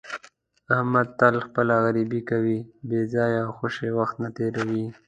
احمد تل خپله غریبي کوي، بې ځایه او خوشې وخت نه تېروي.